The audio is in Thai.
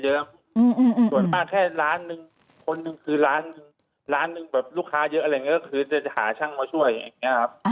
ส่วนมากแค่ล้านหนึ่งคนหนึ่งคือร้านหนึ่งแบบลูกค้าเยอะอะไรอย่างนี้ก็คือจะหาช่างมาช่วยอย่างนี้ครับ